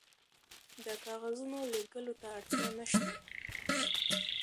د کاغذونو لیږلو ته اړتیا نشته.